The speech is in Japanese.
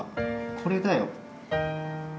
これだよ。